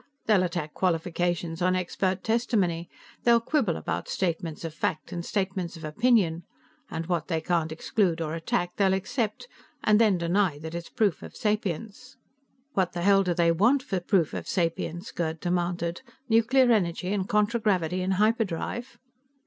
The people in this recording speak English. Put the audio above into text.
They'll attack qualifications on expert testimony. They'll quibble about statements of fact and statements of opinion. And what they can't exclude or attack, they'll accept, and then deny that it's proof of sapience. "What the hell do they want for proof of sapience?" Gerd demanded. "Nuclear energy and contragravity and hyperdrive?"